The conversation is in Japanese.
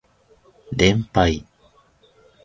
連敗